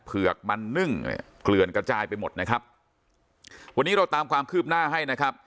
เผือกมันนึ่งเนี่ยเกลือนกระจายไปหมดนะครับวันนี้เราตามความคืบหน้าให้นะครับ